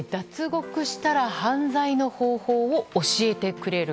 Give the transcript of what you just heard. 脱獄したら犯罪の方法を教えてくれる。